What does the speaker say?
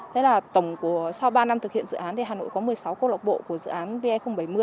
thế là tổng của sau ba năm thực hiện dự án thì hà nội có một mươi sáu câu lạc bộ của dự án ve bảy mươi